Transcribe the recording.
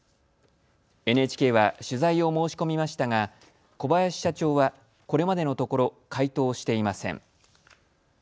ＮＨＫは取材を申し込みましたが小林社長はこれまでのところ回答していません。